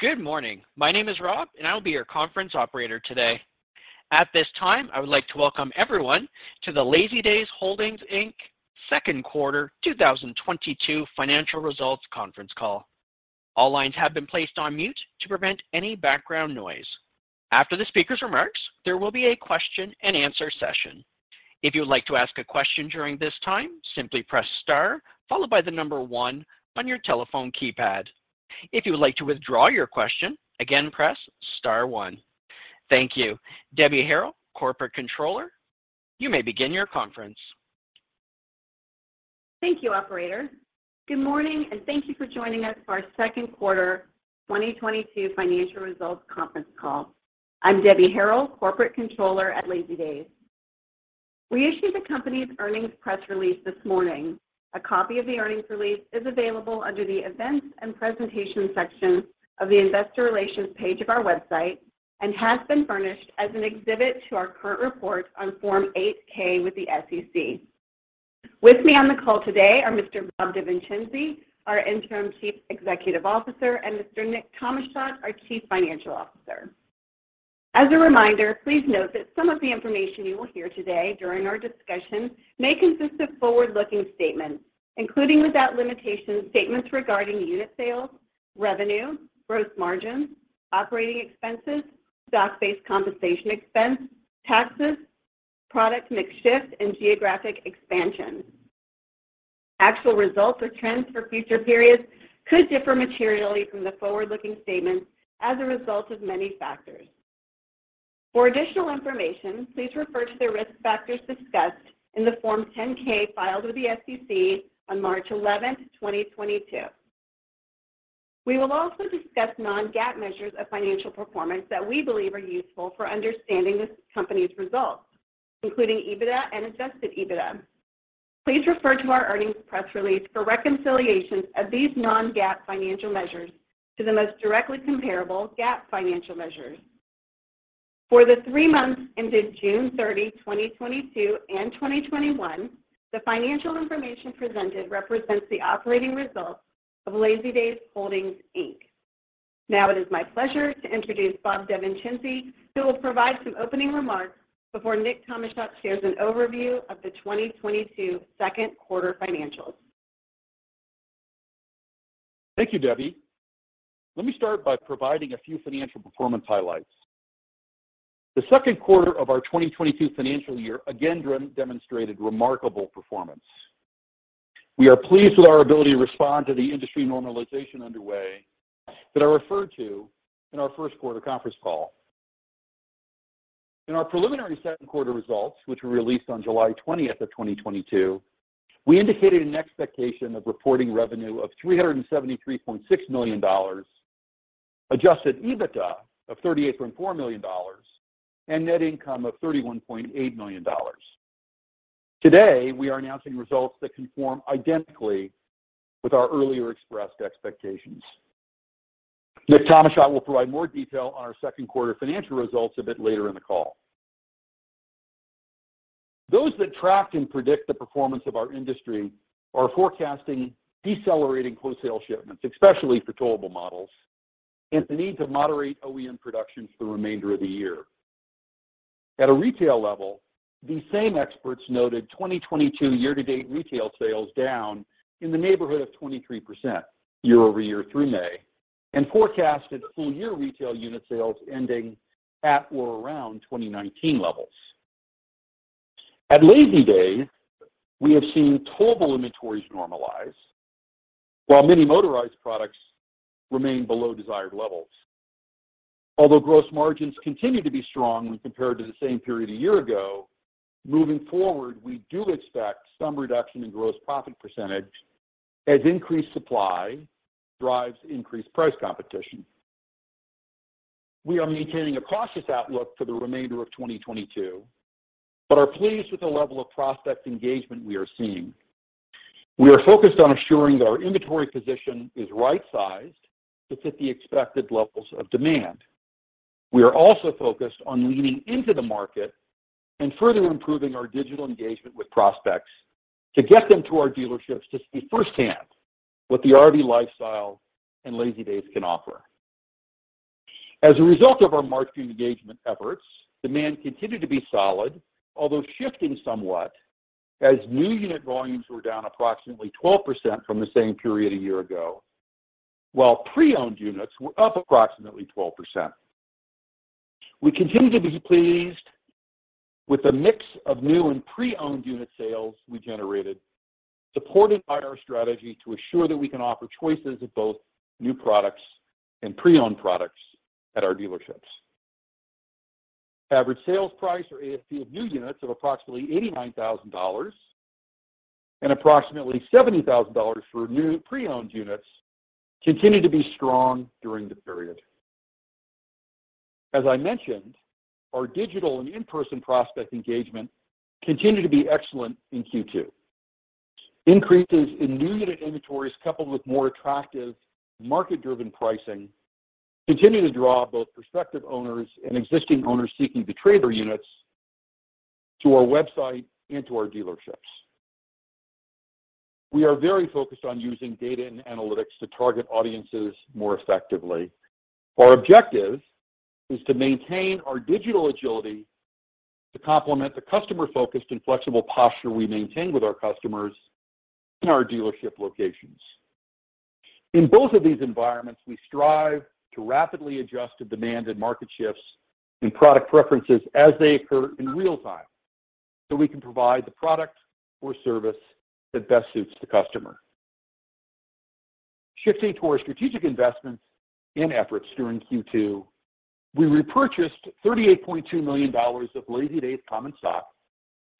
Good morning. My name is Rob, and I will be your conference operator today. At this time, I would like to welcome everyone to the Lazydays Holdings, Inc. second quarter 2022 financial results conference call. All lines have been placed on mute to prevent any background noise. After the speaker's remarks, there will be a question and answer session. If you would like to ask a question during this time, simply press star followed by the number one on your telephone keypad. If you would like to withdraw your question, again, press star one. Thank you. Debbie Harrell, Corporate Controller, you may begin your conference. Thank you, operator. Good morning, and thank you for joining us for our second quarter 2022 financial results conference call. I'm Debbie Harrell, Corporate Controller at Lazydays. We issued the company's earnings press release this morning. A copy of the earnings release is available under the Events and Presentation section of the Investor Relations page of our website and has been furnished as an exhibit to our current report on Form 8-K with the SEC. With me on the call today are Mr. Robert DeVincenzi, our Interim Chief Executive Officer, and Mr. Nick Tomashot, our Chief Financial Officer. As a reminder, please note that some of the information you will hear today during our discussion may consist of forward-looking statements, including without limitation, statements regarding unit sales, revenue, growth margins, operating expenses, stock-based compensation expense, taxes, product mix shift, and geographic expansion. Actual results or trends for future periods could differ materially from the forward-looking statements as a result of many factors. For additional information, please refer to the risk factors discussed in the Form 10-K filed with the SEC on March 11th, 2022. We will also discuss non-GAAP measures of financial performance that we believe are useful for understanding this company's results, including EBITDA and adjusted EBITDA. Please refer to our earnings press release for reconciliations of these non-GAAP financial measures to the most directly comparable GAAP financial measures. For the three months ended June 30, 2022 and 2021, the financial information presented represents the operating results of Lazydays Holdings, Inc. Now it is my pleasure to introduce Robert DeVincenzi, who will provide some opening remarks before Nick Tomashot shares an overview of the 2022 second quarter financials. Thank you, Debbie. Let me start by providing a few financial performance highlights. The second quarter of our 2022 financial year again demonstrated remarkable performance. We are pleased with our ability to respond to the industry normalization underway that I referred to in our first quarter conference call. In our preliminary second quarter results, which were released on July 20th, 2022, we indicated an expectation of reporting revenue of $373.6 million, adjusted EBITDA of $38.4 million, and net income of $31.8 million. Today, we are announcing results that conform identically with our earlier expressed expectations. Nick Tomashot will provide more detail on our second quarter financial results a bit later in the call. Those that track and predict the performance of our industry are forecasting decelerating wholesale shipments, especially for towable models, and the need to moderate OEM production for the remainder of the year. At a retail level, these same experts noted 2022 year-to-date retail sales down in the neighborhood of 23% year-over-year through May and forecasted full-year retail unit sales ending at or around 2019 levels. At Lazydays, we have seen towable inventories normalize, while many motorized products remain below desired levels. Although gross margins continue to be strong when compared to the same period a year ago, moving forward, we do expect some reduction in gross profit percentage as increased supply drives increased price competition. We are maintaining a cautious outlook for the remainder of 2022, but are pleased with the level of prospect engagement we are seeing. We are focused on ensuring that our inventory position is right-sized to fit the expected levels of demand. We are also focused on leaning into the market and further improving our digital engagement with prospects to get them to our dealerships to see firsthand what the RV lifestyle and Lazydays can offer. As a result of our marketing engagement efforts, demand continued to be solid, although shifting somewhat as new unit volumes were down approximately 12% from the same period a year ago, while pre-owned units were up approximately 12%. We continue to be pleased with the mix of new and pre-owned unit sales we generated, supported by our strategy to assure that we can offer choices of both new products and pre-owned products at our dealerships. Average sales price or ASP of new units of approximately $89,000 and approximately $70,000 for pre-owned units continued to be strong during the period. As I mentioned, our digital and in-person prospect engagement continued to be excellent in Q2. Increases in new unit inventories coupled with more attractive market-driven pricing continued to draw both prospective owners and existing owners seeking to trade their units to our website and to our dealerships. We are very focused on using data and analytics to target audiences more effectively. Our objective is to maintain our digital agility to complement the customer-focused and flexible posture we maintain with our customers in our dealership locations. In both of these environments, we strive to rapidly adjust to demand and market shifts and product preferences as they occur in real time, so we can provide the product or service that best suits the customer. Shifting to our strategic investments and efforts during Q2, we repurchased $38.2 million of Lazydays common stock,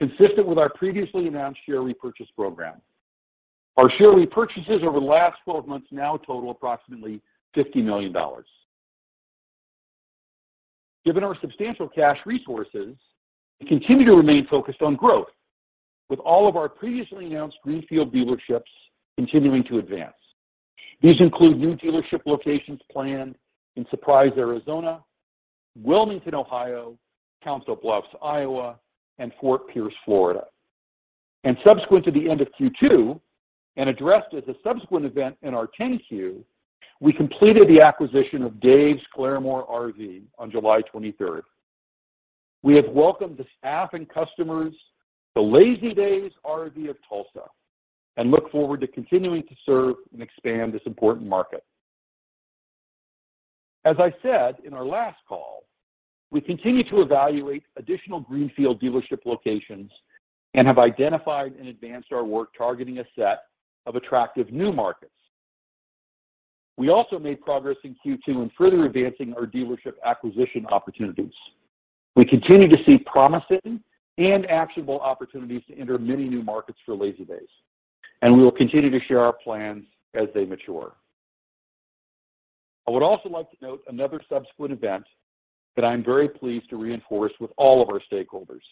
consistent with our previously announced share repurchase program. Our share repurchases over the last 12 months now total approximately $50 million. Given our substantial cash resources, we continue to remain focused on growth with all of our previously announced greenfield dealerships continuing to advance. These include new dealership locations planned in Surprise, Arizona, Wilmington, Ohio, Council Bluffs, Iowa, and Fort Pierce, Florida. Subsequent to the end of Q2 and addressed as a subsequent event in our Form 10-Q, we completed the acquisition of Dave's Claremore RV on July 23rd. We have welcomed the staff and customers to Lazydays RV of Tulsa and look forward to continuing to serve and expand this important market. As I said in our last call, we continue to evaluate additional greenfield dealership locations and have identified and advanced our work targeting a set of attractive new markets. We also made progress in Q2 in further advancing our dealership acquisition opportunities. We continue to see promising and actionable opportunities to enter many new markets for Lazydays, and we will continue to share our plans as they mature. I would also like to note another subsequent event that I am very pleased to reinforce with all of our stakeholders.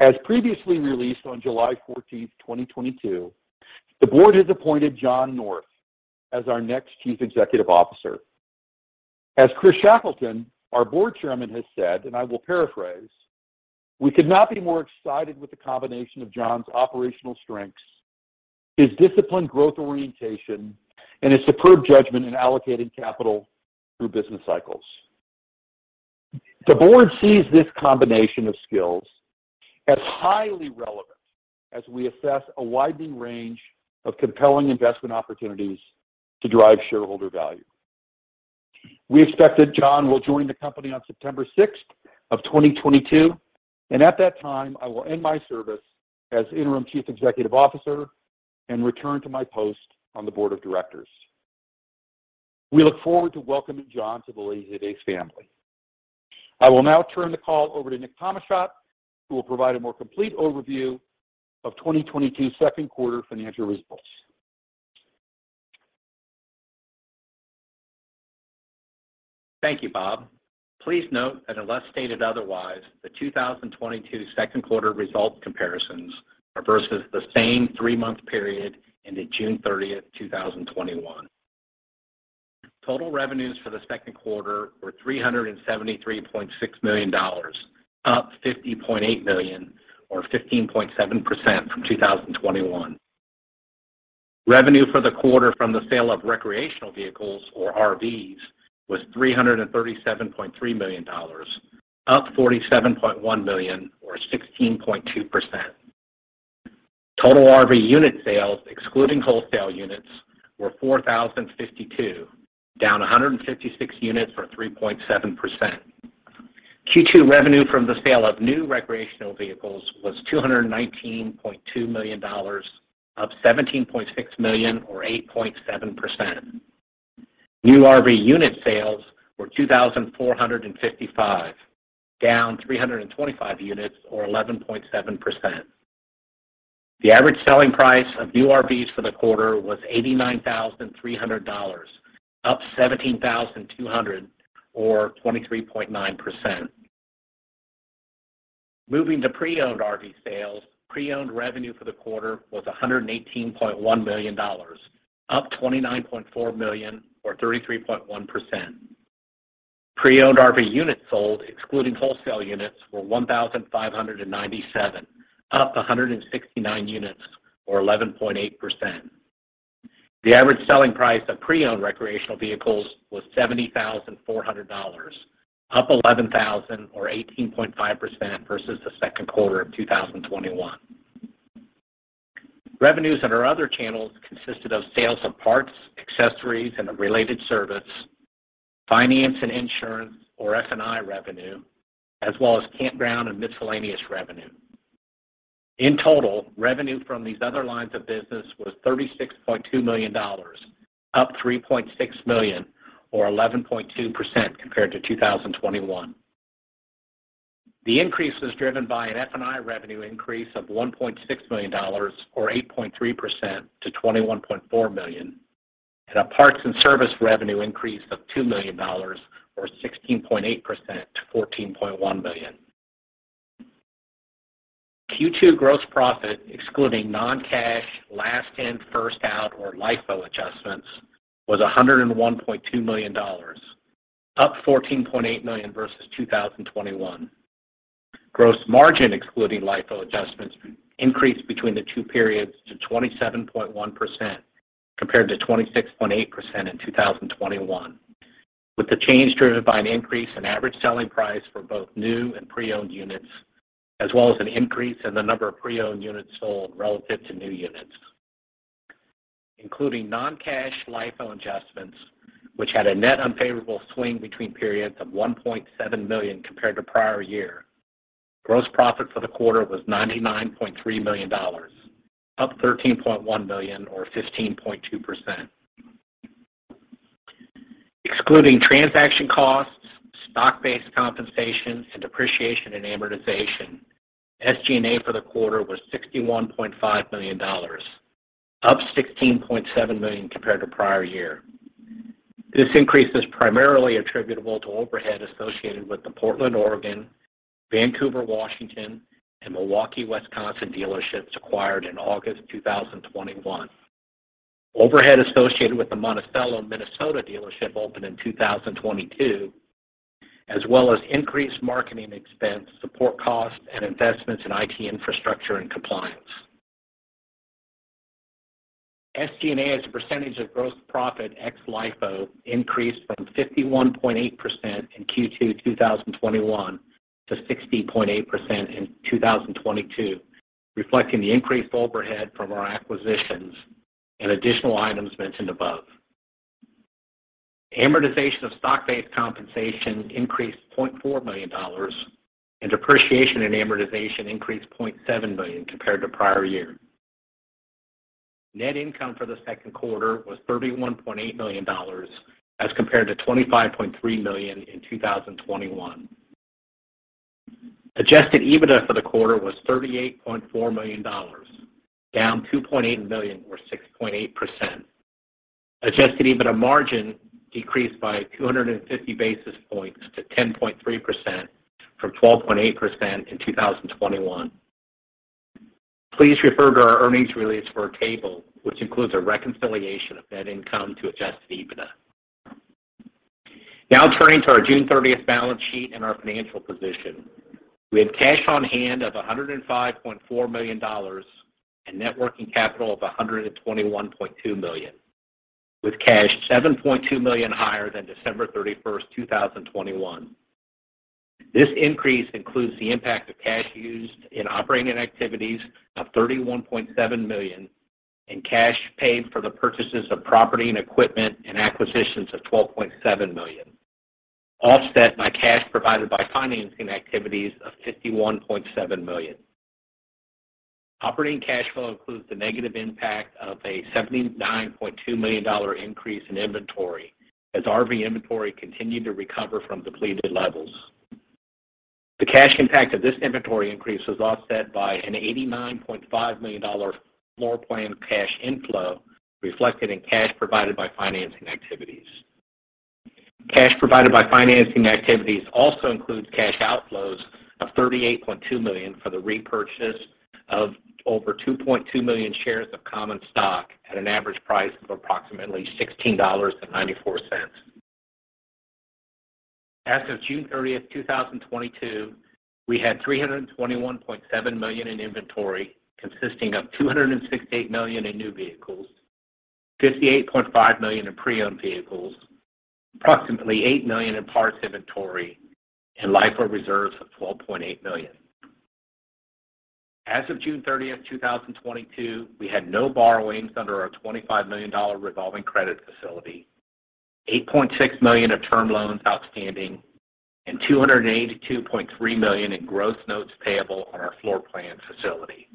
As previously released on July 14th, 2022, the board has appointed John North as our next Chief Executive Officer. As Chris Shackelton, our board chairman, has said, and I will paraphrase, "We could not be more excited with the combination of John's operational strengths, his disciplined growth orientation, and his superb judgment in allocating capital through business cycles." The board sees this combination of skills as highly relevant as we assess a widening range of compelling investment opportunities to drive shareholder value. We expect that John will join the company on September 6, 2022, and at that time, I will end my service as interim chief executive officer and return to my post on the board of directors. We look forward to welcoming John to the Lazydays family. I will now turn the call over to Nick Tomashot, who will provide a more complete overview of 2022 second quarter financial results. Thank you, Bob. Please note that unless stated otherwise, the 2022 second quarter results comparisons are versus the same three-month period ended June 30th, 2021. Total revenues for the second quarter were $373.6 million, up $50.8 million or 15.7% from 2021. Revenue for the quarter from the sale of recreational vehicles or RVs was $337.3 million, up $47.1 million or 16.2%. Total RV unit sales, excluding wholesale units, were 4,052, down 156 units or 3.7%. Q2 revenue from the sale of new recreational vehicles was $219.2 million, up $17.6 million or 8.7%. New RV unit sales were 2,455, down 325 units or 11.7%. The average selling price of new RVs for the quarter was $89,300, up $17,200 or 23.9%. Moving to pre-owned RV sales, pre-owned revenue for the quarter was $118.1 million, up $29.4 million or 33.1%. Pre-owned RV units sold, excluding wholesale units, were 1,597, up 169 units or 11.8%. The average selling price of pre-owned recreational vehicles was $70,400, up $11,000 or 18.5% versus the second quarter of 2021. Revenues at our other channels consisted of sales of parts, accessories and related service, finance and insurance or F&I revenue, as well as campground and miscellaneous revenue. In total, revenue from these other lines of business was $36.2 million, up $3.6 million or 11.2% compared to 2021. The increase was driven by an F&I revenue increase of $1.6 million or 8.3% to $21.4 million and a parts and service revenue increase of $2 million or 16.8% to $14.1 million. Q2 gross profit excluding non-cash last in, first out or LIFO adjustments was $101.2 million, up $14.8 million versus 2021. Gross margin excluding LIFO adjustments increased between the two periods to 27.1% compared to 26.8% in 2021, with the change driven by an increase in average selling price for both new and pre-owned units, as well as an increase in the number of pre-owned units sold relative to new units. Including non-cash LIFO adjustments, which had a net unfavorable swing between periods of $1.7 million compared to prior year. Gross profit for the quarter was $99.3 million, up $13.1 million or 15.2%. Excluding transaction costs, stock-based compensation, and depreciation and amortization, SG&A for the quarter was $61.5 million, up $16.7 million compared to prior year. This increase is primarily attributable to overhead associated with the Portland, Oregon, Vancouver, Washington, and Milwaukee, Wisconsin dealerships acquired in August 2021. Overhead associated with the Monticello, Minnesota dealership opened in 2022, as well as increased marketing expense, support costs, and investments in IT infrastructure and compliance. SG&A as a percentage of gross profit ex LIFO increased from 51.8% in Q2 2021 to 60.8% in 2022, reflecting the increased overhead from our acquisitions and additional items mentioned above. Amortization of stock-based compensation increased $0.4 million, and depreciation and amortization increased $0.7 million compared to prior year. Net income for the second quarter was $31.8 million as compared to $25.3 million in 2021. Adjusted EBITDA for the quarter was $38.4 million, down $2.8 million or 6.8%. Adjusted EBITDA margin decreased by 250 basis points to 10.3% from 12.8% in 2021. Please refer to our earnings release for a table which includes a reconciliation of net income to adjusted EBITDA. Now turning to our June 30th balance sheet and our financial position. We have cash on hand of $105.4 million and net working capital of $121.2 million, with cash $7.2 million higher than December 31st, 2021. This increase includes the impact of cash used in operating activities of $31.7 million and cash paid for the purchases of property and equipment and acquisitions of $12.7 million, offset by cash provided by financing activities of $51.7 million. Operating cash flow includes the negative impact of a $79.2 million increase in inventory as RV inventory continued to recover from depleted levels. The cash impact of this inventory increase was offset by an $89.5 million floorplan cash inflow reflected in cash provided by financing activities. Cash provided by financing activities also includes cash outflows of $38.2 million for the repurchase of over 2.2 million shares of common stock at an average price of approximately $16.94. As of June 30th, 2022, we had $321.7 million in inventory, consisting of $268 million in new vehicles, $58.5 million in pre-owned vehicles, approximately $8 million in parts inventory, and LIFO reserves of $12.8 million. As of June 30th, 2022, we had no borrowings under our $25 million revolving credit facility, $8.6 million of term loans outstanding, and $282.3 million in gross notes payable on our floorplan facility.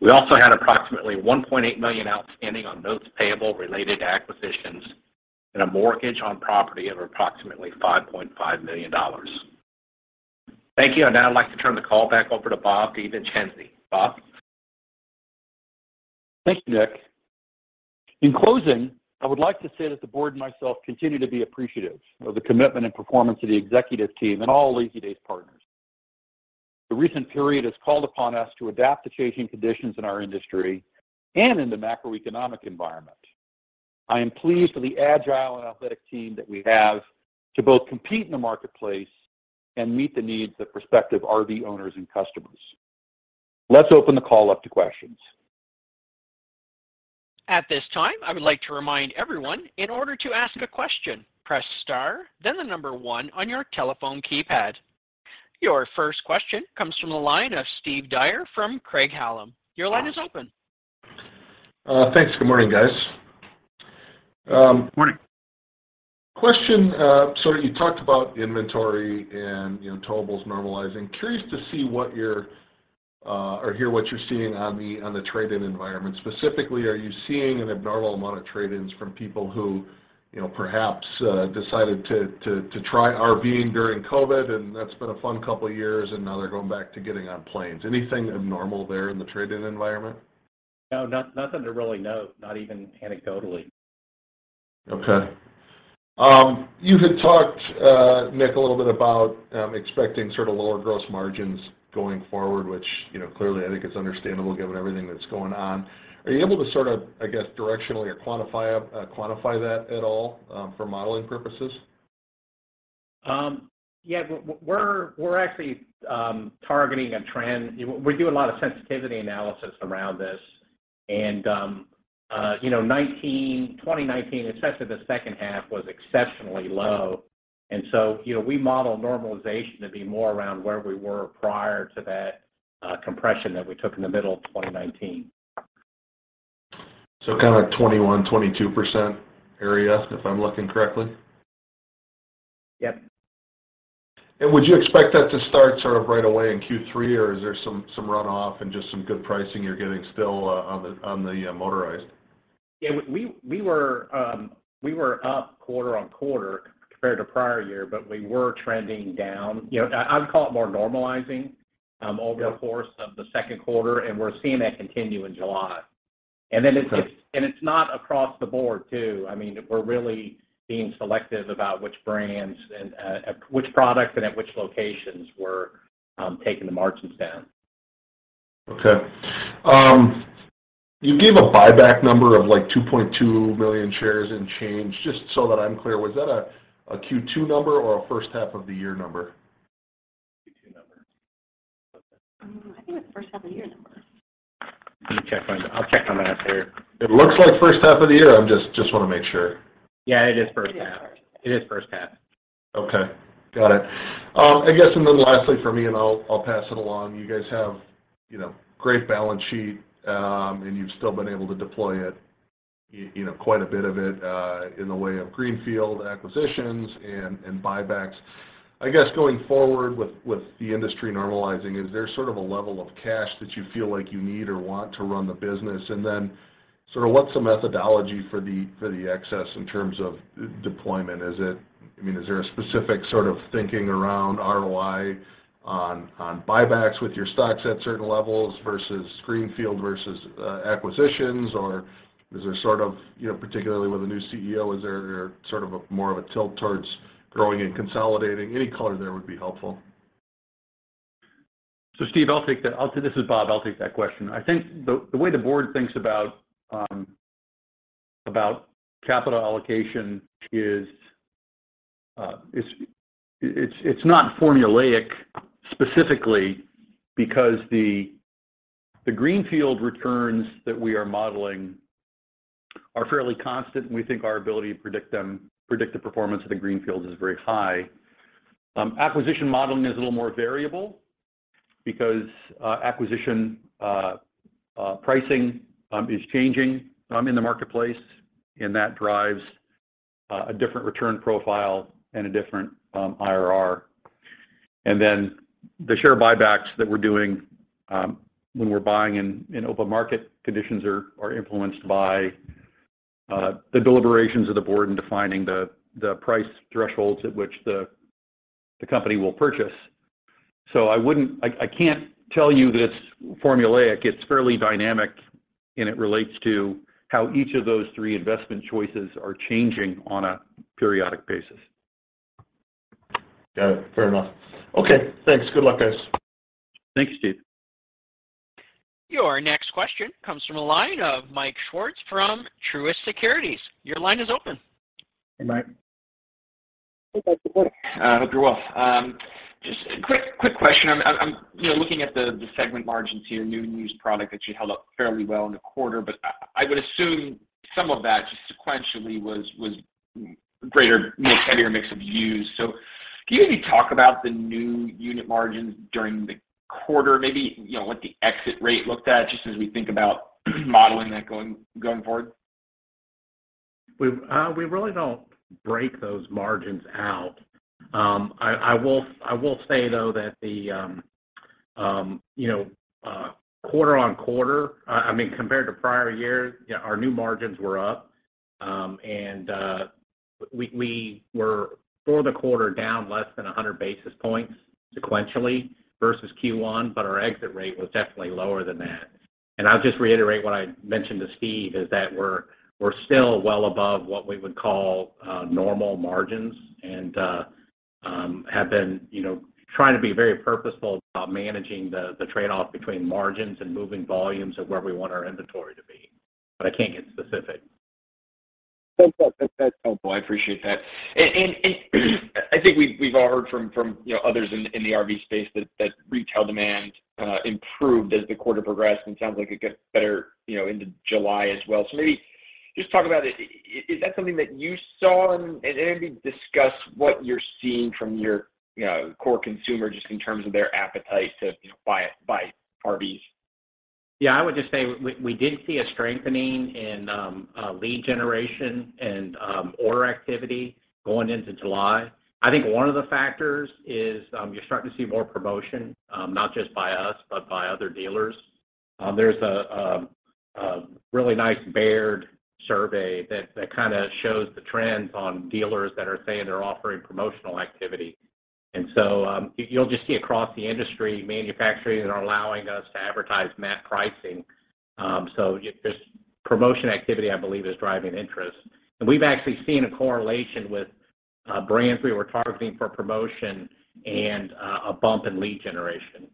We also had approximately $1.8 million outstanding on notes payable related to acquisitions and a mortgage on property of approximately $5.5 million. Thank you. I'd now like to turn the call back over to Bob DeVincenzi. Bob? Thank you, Nick. In closing, I would like to say that the board and myself continue to be appreciative of the commitment and performance of the executive team and all Lazydays partners. The recent period has called upon us to adapt to changing conditions in our industry and in the macroeconomic environment. I am pleased with the agile and athletic team that we have to both compete in the marketplace and meet the needs of prospective RV owners and customers. Let's open the call up to questions. At this time, I would like to remind everyone in order to ask a question, press star, then the number one on your telephone keypad. Your first question comes from the line of Steve Dyer from Craig-Hallum. Your line is open. Thanks. Good morning, guys. Good morning. Question. You talked about inventory and, you know, towables normalizing. Curious to see what you're, or hear what you're seeing on the trade-in environment. Specifically, are you seeing an abnormal amount of trade-ins from people who, you know, perhaps, decided to try RV-ing during COVID, and that's been a fun couple of years, and now they're going back to getting on planes? Anything abnormal there in the trade-in environment? No. Nothing to really note, not even anecdotally. Okay. You had talked, Nick, a little bit about expecting sort of lower gross margins going forward, which, you know, clearly I think it's understandable given everything that's going on. Are you able to sort of, I guess, directionally or quantify that at all, for modeling purposes? We're actually targeting a trend. You know, we're doing a lot of sensitivity analysis around this and you know, 2019, especially the second half, was exceptionally low. You know, we model normalization to be more around where we were prior to that compression that we took in the middle of 2019. Kind of 21%-22% area, if I'm looking correctly? Yep. Would you expect that to start sort of right away in Q3, or is there some runoff and just some good pricing you're getting still on the motorized? Yeah, we were up quarter-over-quarter compared to prior year, but we were trending down. You know, I would call it more normalizing. Yeah. over the course of the second quarter, and we're seeing that continue in July. Okay. It's not across the board too. I mean, we're really being selective about which brands and which products and at which locations we're taking the margins down. Okay. You gave a buyback number of, like, 2.2 million shares and change. Just so that I'm clear, was that a Q2 number or a first half of the year number? Q2 number. I think it was first half of the year number. Let me check on that. I'll check on that, Terry. It looks like first half of the year. I just wanna make sure. Yeah, it is first half. It is first. It is first half. Okay. Got it. I guess, lastly from me, I'll pass it along. You guys have, you know, great balance sheet, and you've still been able to deploy it, you know, quite a bit of it, in the way of greenfield acquisitions and buybacks. I guess, going forward with the industry normalizing, is there sort of a level of cash that you feel like you need or want to run the business? And then sort of what's the methodology for the excess in terms of deployment? I mean, is there a specific sort of thinking around ROI on buybacks with your stocks at certain levels versus greenfield versus acquisitions? Or is there sort of, you know, particularly with a new CEO, is there sort of more of a tilt towards growing and consolidating? Any color there would be helpful. Steve, I'll take that. This is Bob, I'll take that question. I think the way the board thinks about capital allocation is, it's not formulaic specifically because the greenfield returns that we are modeling are fairly constant, and we think our ability to predict the performance of the greenfields is very high. Acquisition modeling is a little more variable because acquisition pricing is changing in the marketplace, and that drives a different return profile and a different IRR. Then the share buybacks that we're doing when we're buying in open market conditions are influenced by the deliberations of the board in defining the price thresholds at which the company will purchase. I can't tell you that it's formulaic. It's fairly dynamic, and it relates to how each of those three investment choices are changing on a periodic basis. Got it. Fair enough. Okay, thanks. Good luck, guys. Thank you, Steve. Your next question comes from the line of Mike Swartz from Truist Securities. Your line is open. Hey, Mike. Hey, Mike. How are you? I hope you're well. Just a quick question. I'm, you know, looking at the segment margins here, new and used product, that you held up fairly well in the quarter. I would assume some of that just sequentially was greater mix, heavier mix of used. Can you maybe talk about the new unit margins during the quarter? Maybe, you know, what the exit rate looked like, just as we think about modeling that going forward? We really don't break those margins out. I will say though that, you know, quarter-over-quarter, I mean, compared to prior years, yeah, our new margins were up. We were, for the quarter, down less than 100 basis points sequentially versus Q1, but our exit rate was definitely lower than that. I'll just reiterate what I mentioned to Steve, is that we're still well above what we would call normal margins and have been, you know, trying to be very purposeful about managing the trade-off between margins and moving volumes of where we want our inventory to be. I can't get specific. Thanks, Bob. That's helpful. I appreciate that. I think we've all heard from, you know, others in the RV space that retail demand improved as the quarter progressed, and it sounds like it got better, you know, into July as well. Maybe just talk about it. Is that something that you saw? Maybe discuss what you're seeing from your, you know, core consumer, just in terms of their appetite to, you know, buy RVs. Yeah. I would just say we did see a strengthening in lead generation and order activity going into July. I think one of the factors is you're starting to see more promotion not just by us, but by other dealers. There's a really nice Baird survey that kind of shows the trends on dealers that are saying they're offering promotional activity. You'll just see across the industry, manufacturers are allowing us to advertise MAP pricing. Just promotion activity, I believe, is driving interest. We've actually seen a correlation with brands we were targeting for promotion and a bump in lead generation.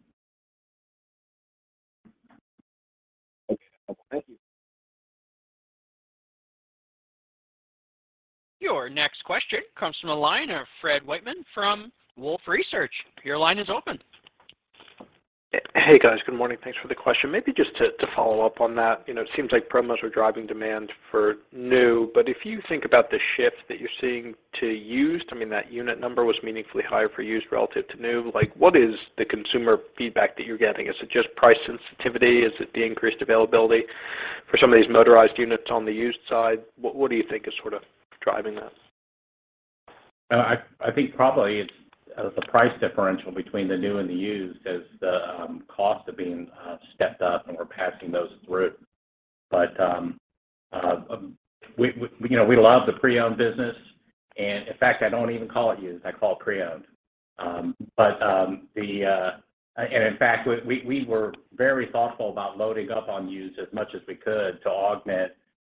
Your next question comes from the line of Fred Wightman from Wolfe Research. Your line is open. Hey guys. Good morning. Thanks for the question. Maybe just to follow up on that, you know, it seems like promos are driving demand for new, but if you think about the shift that you're seeing to used, I mean, that unit number was meaningfully higher for used relative to new. Like, what is the consumer feedback that you're getting? Is it just price sensitivity? Is it the increased availability for some of these motorized units on the used side? What do you think is sort of driving that? I think probably it's the price differential between the new and the used as the cost of being stepped up and we're passing those through. You know, we love the pre-owned business and in fact, I don't even call it used, I call it pre-owned. In fact, we were very thoughtful about loading up on used as much as we could to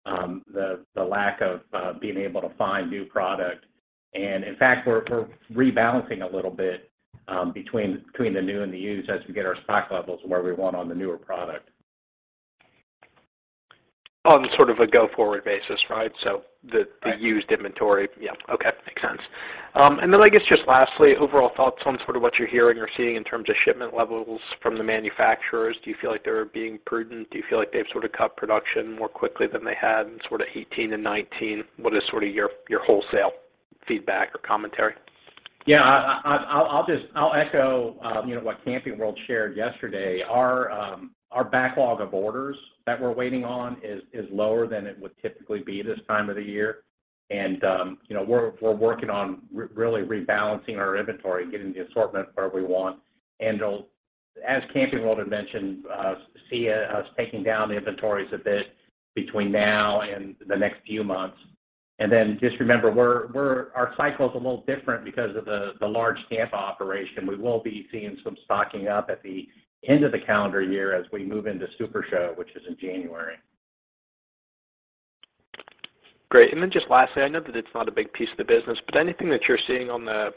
augment the lack of being able to find new product. In fact, we're rebalancing a little bit between the new and the used as we get our stock levels where we want on the newer product. On sort of a go forward basis, right? Right. The used inventory. Yeah. Okay. Makes sense. I guess just lastly, overall thoughts on sort of what you're hearing or seeing in terms of shipment levels from the manufacturers. Do you feel like they're being prudent? Do you feel like they've sort of cut production more quickly than they had in sort of 2018 and 2019? What is sort of your wholesale feedback or commentary? Yeah. I'll just echo, you know, what Camping World shared yesterday. Our backlog of orders that we're waiting on is lower than it would typically be this time of the year. You know, we're working on really rebalancing our inventory, getting the assortment where we want. They'll, as Camping World had mentioned, see us taking down the inventories a bit between now and the next few months. Just remember our cycle's a little different because of the large camp operation. We will be seeing some stocking up at the end of the calendar year as we move into Super Show, which is in January. Great. Just lastly, I know that it's not a big piece of the business, but anything that you're seeing on the,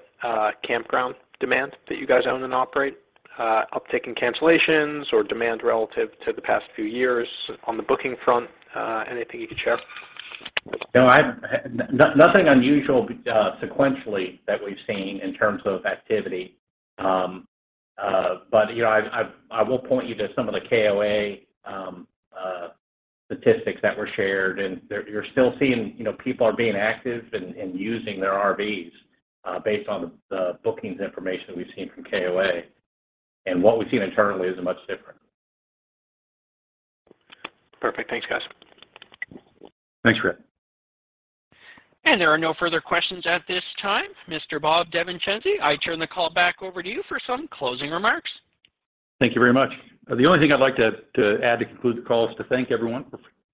campground demand that you guys own and operate, uptake in cancellations or demand relative to the past few years on the booking front? Anything you could share? No, nothing unusual sequentially that we've seen in terms of activity. You know, I will point you to some of the KOA statistics that were shared, and you're still seeing, you know, people are being active and using their RVs, based on the bookings information we've seen from KOA. What we've seen internally isn't much different. Perfect. Thanks guys. Thanks, Fred. There are no further questions at this time. Mr. Bob DeVincenzi, I turn the call back over to you for some closing remarks. Thank you very much. The only thing I'd like to add to conclude the call is to thank everyone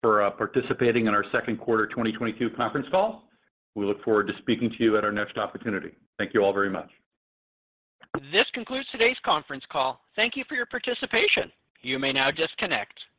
for participating in our second quarter 2022 conference call. We look forward to speaking to you at our next opportunity. Thank you all very much. This concludes today's conference call. Thank you for your participation. You may now disconnect.